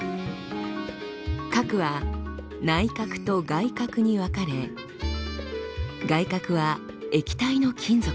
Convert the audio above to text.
核は内核と外核に分かれ外核は液体の金属。